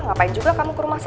ngapain juga kamu ke rumah sakit